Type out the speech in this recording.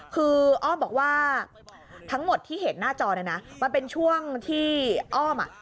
คืออ้อมบอกว่าทั้งหมดที่เห็นหน้าจอเนี่ยนะมันเป็นช่วงที่อ้อมอ่ะ